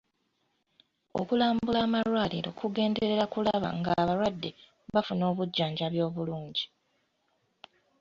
Okulambula amalwaliro kugenderera kulaba ng'abalwadde bafuna obujjanjabi obulungi.